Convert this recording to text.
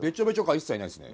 一切ないですね。